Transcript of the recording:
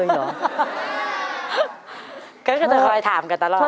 เก็คือชัยค่อยถามคนตลอด